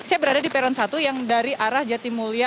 saya berada di peron satu yang dari arah jatimulya